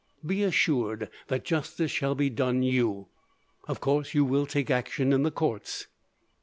Be assured that justice shall be done you. Of course, you will take action in the courts?"